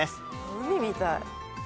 海みたい。